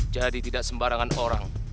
jadi tidak sembarangan orang